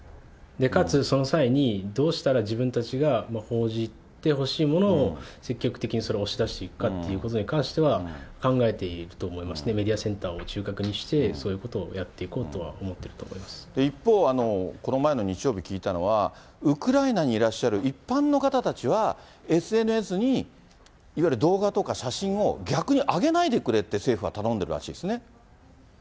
かつその際に、どうしたら自分たちが報じてほしいものを積極的にそれを押し出していくかということに関しては、考えていると思いますね、メディアセンターを中核にして、そういうことをやっていこうとは一方、この前の日曜日聞いたのは、ウクライナにいらっしゃる一般の方たちは、ＳＮＳに、いわゆる動画とか写真を逆に上げないでくれって政府は頼んでるらはい。